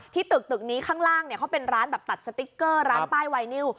ตึกตึกนี้ข้างล่างเขาเป็นร้านแบบตัดสติ๊กเกอร์ร้านป้ายไวนิว